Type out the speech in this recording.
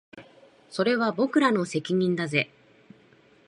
それは僕らの責任だぜ